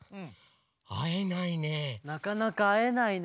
なかなかあえないね。